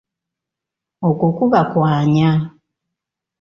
Okwo kuba kwanya.